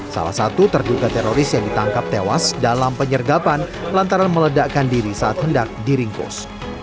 salah satu terduga teroris yang ditangkap tewas dalam penyergapan lantaran meledakkan diri saat hendak diringkus